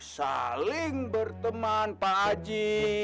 saling berteman pak haji